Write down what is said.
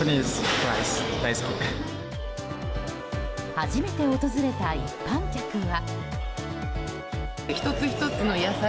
初めて訪れた一般客は。